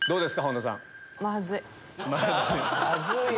まずいよ。